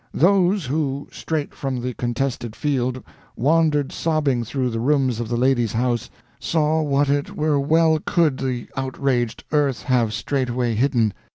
Those who, straight from the contested field, wandered sobbing through the rooms of the ladies' house, saw what it were well could the outraged earth have straightway hidden.